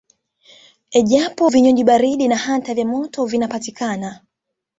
Japo vinywaji baridi na hata vya moto vinapatikana